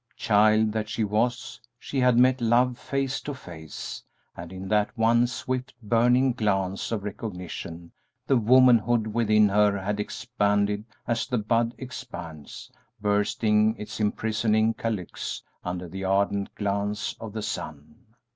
Child that she was, she had met Love face to face, and in that one swift, burning glance of recognition the womanhood within her had expanded as the bud expands, bursting its imprisoning calyx under the ardent glance of the sun.